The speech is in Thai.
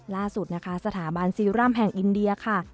ล่าสุดนะคะสถาบันซีรั่มแห่งอินเดียค่ะ